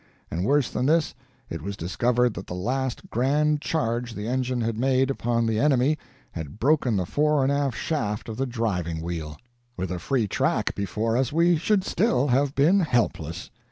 And worse than this, it was discovered that the last grand charge the engine had made upon the enemy had broken the fore and aft shaft of the driving wheel! With a free track before us we should still have been helpless.